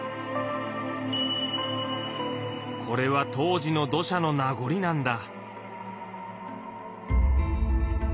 これは当時の土砂の名残なんだ。